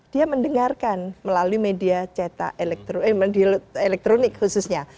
dia mendengarkan melalui media cetak elektronik khususnya